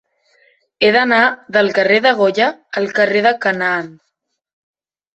He d'anar del carrer de Goya al carrer de Canaan.